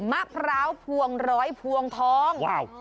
มะพร้าวพวงร้อยพวงทอง